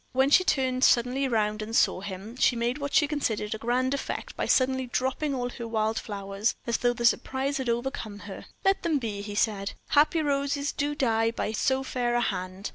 When she turned suddenly round and saw him, she made what she considered a grand effect by suddenly dropping all her wild flowers, as though the surprise had overcome her. "Let them be," he said; "happy roses do die by so fair a hand.